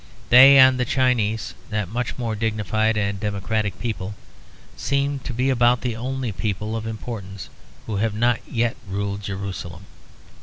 They and the Chinese (that much more dignified and democratic people) seem to be about the only people of importance who have not yet ruled Jerusalem.